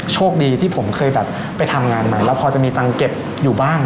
โชคดีที่ผมเคยแบบไปทำงานใหม่แล้วพอจะมีตังค์เก็บอยู่บ้าง